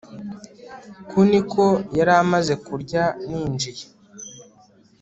Kuniko yari amaze kurya ninjiye